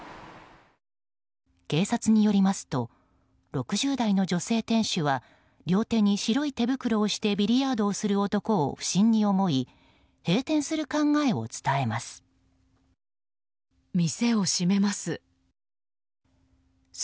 警察によりますと６０代の女性店主は両手に白い手袋をしてビリヤードする男を不審に思い閉店する考えを伝えます。